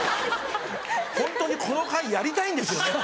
ホントにこの回やりたいんですよね？